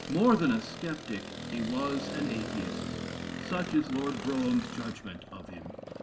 More than a sceptic, he was an Atheist. Such is Lord Brougham's judgment of him.